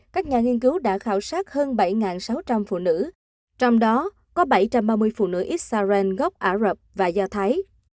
các nhà nghiên cứu đã khảo sát hơn bảy sáu trăm linh phụ nữ trong đó có bảy trăm ba mươi phụ nữ israel gốc ả rập và gia thái